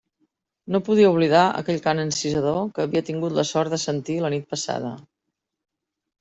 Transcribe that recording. No podia oblidar aquell cant encisador que havia tingut la sort de sentir la nit passada.